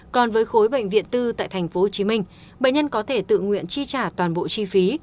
còn với khối bệnh viện tư tại tp hcm bệnh nhân có thể tự nguyện chi trả toàn bộ chi phí